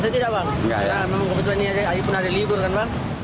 tidak memang kebetulan ini ada libur kan